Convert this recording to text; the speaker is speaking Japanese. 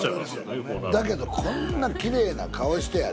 だけどこんなきれいな顔してやで。